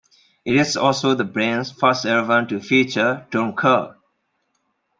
It is also the band's first album to feature Don Kerr.